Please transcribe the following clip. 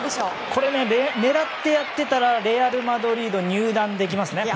狙ってやっていたらレアル・マドリードに入団できますね。